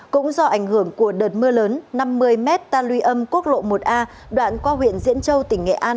cũng do ảnh hưởng của đợt mưa lớn năm mươi m ta lưu âm quốc lộ một a đoạn qua huyện diễn châu tỉnh nghệ an